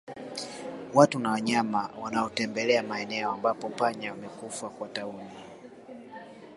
Watu na wanyama wanaotembelea maeneo ambapo panya wamekufa kwa tauni